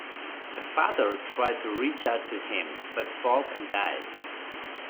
The father tries to reach out to him, but falls and dies.